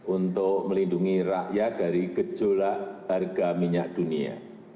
untuk melindungi rakyat dari gejolak harga minyak dunia